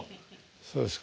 そうですか。